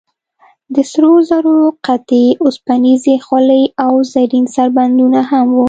د سرو زرو قطعې، اوسپنیزې خولۍ او زرین سربندونه هم و.